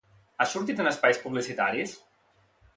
Ha sortit en espais publicitaris?